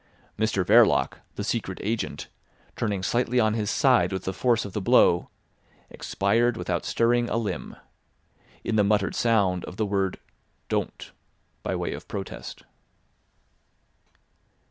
Mr Verloc, the Secret Agent, turning slightly on his side with the force of the blow, expired without stirring a limb, in the muttered sound of the word "Don't" by way of protest.